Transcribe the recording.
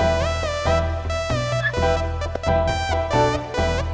ayah ayah apa mas teh